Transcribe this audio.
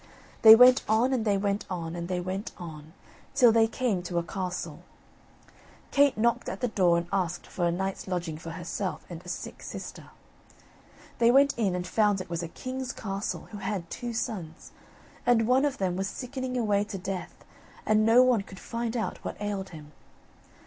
They went on, and they went on, and they went on, till they came to a castle. Kate knocked at the door and asked for a night's lodging for herself and a sick sister. They went in and found it was a king's castle, who had two sons, and one of them was sickening away to death and no one could find out what ailed him.